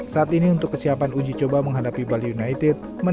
saat ini untuk kesiapan uji coba menghadapi bali united